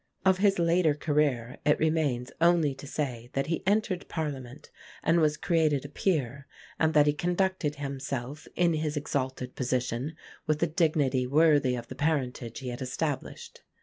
Of his later career it remains only to say that he entered Parliament and was created a Peer; and that he conducted himself in his exalted position with a dignity worthy of the parentage he had established.